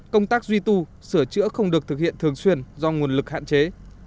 công tác duy tu sửa chữa không được thực hiện thường xuyên do nguồn lực hạn chế